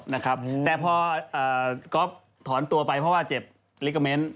แต่พอก๊อฟถอนตัวไปเพราะว่าเจ็บลิกเกมนต์